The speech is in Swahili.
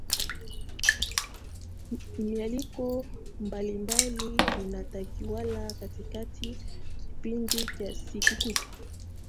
mialiko mbalimbali inatawala katika kipindi cha sikukuu